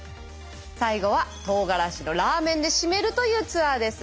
最後はとうがらしのラーメンで締めるというツアーです。